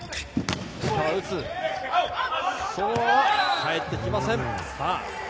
返ってきません。